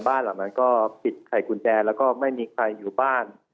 บ้านหลังนั้นก็ปิดไข่กุญแจแล้วก็ไม่มีใครอยู่บ้าน